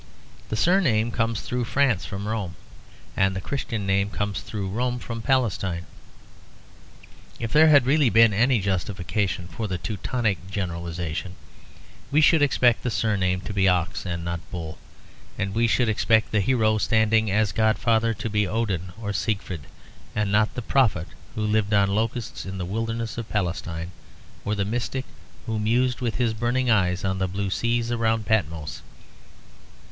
The surname comes through France from Rome; and the Christian name comes through Rome from Palestine. If there had really been any justification for the Teutonic generalisation, we should expect the surname to be "ox" and not "bull"; and we should expect the hero standing as godfather to be Odin or Siegfried, and not the prophet who lived on locusts in the wilderness of Palestine or the mystic who mused with his burning eyes on the blue seas around Patmos.